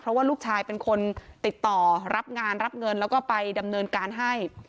เพราะว่าลูกชายเป็นคนติดต่อรับงานรับเงินแล้วก็ไปดำเนินการให้